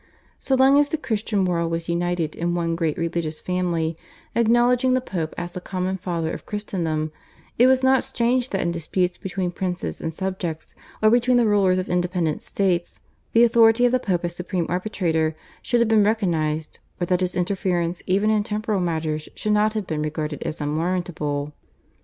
So long as the Christian world was united in one great religious family, acknowledging the Pope as the common Father of Christendom, it was not strange that in disputes between princes and subjects or between the rulers of independent states the authority of the Pope as supreme arbitrator should have been recognised, or that his interference even in temporal matters should not have been regarded as unwarrantable.